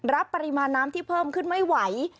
รับปริมาณน้ำที่เพิ่มขึ้นไม่ไหว